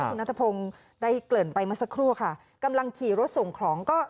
คุณนัทพงศ์ได้เกริ่นไปเมื่อสักครู่ค่ะกำลังขี่รถส่งของก็